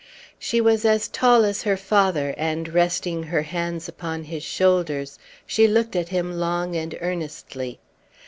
She was as tall as her father, and, resting her hands upon his shoulders, she looked at him long and earnestly.